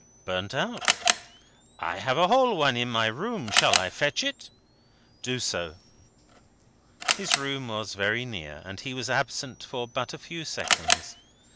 "Burnt out." "I have a whole one in my room. Shall I fetch it?" "Do so." His room was very near, and he was absent for but a few seconds.